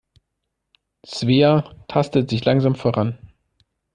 Svea tastet sich langsam voran.